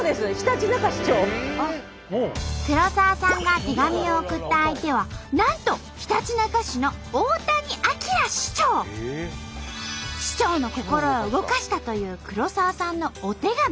黒沢さんが手紙を送った相手はなんと市長の心を動かしたという黒沢さんのお手紙。